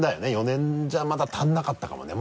４年じゃまだ足らなかったかもね